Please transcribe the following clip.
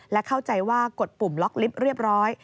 และเข้าใจว่ากดปุ่มล็อกลิฟต์เรียบร้อย